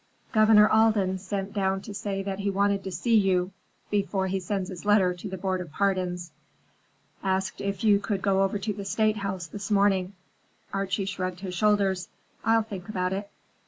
"Governor Alden sent down to say that he wanted to see you before he sends his letter to the Board of Pardons. Asked if you could go over to the State House this morning." Archie shrugged his shoulders. "I'll think about it."